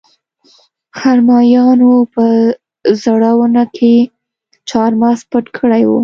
خرمایانو په زړه ونه کې چارمغز پټ کړي وو